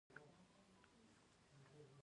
د هر انسان ذاتي ارزښت مهم دی.